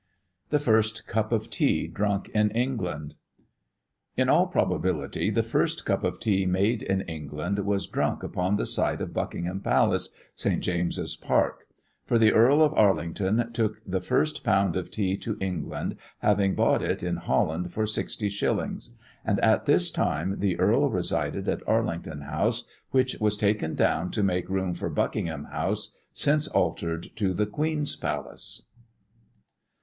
THE FIRST CUP OF TEA DRUNK IN ENGLAND. In all probability, the first cup of Tea made in England was drunk upon the site of Buckingham Palace, St. James's Park; for the Earl of Arlington took the first pound of tea to England, having bought it in Holland for sixty shillings; and at this time the Earl resided at Arlington House, which was taken down to make room for Buckingham House, since altered to the Queen's Palace.